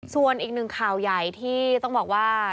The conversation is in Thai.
ส่วนอีกหนึ่งข่าวใหญ่ที่ต้องบอกว่า